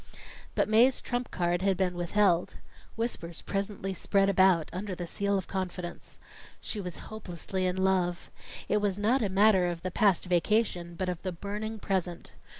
But Mae's trump card had been withheld. Whispers presently spread about under the seal of confidence. She was hopelessly in love. It was not a matter of the past vacation, but of the burning present.